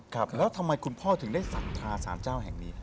ครับแล้วทำไมคุณพ่อถึงได้ศรัทธาสารเจ้าแห่งนี้